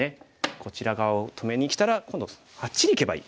こちら側を止めにきたら今度あっちにいけばいい。